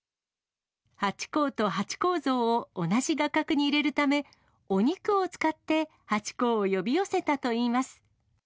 ハチ公とハチ公像を同じ画角に入れるため、お肉を使ってハチ公を呼び寄せたといいます。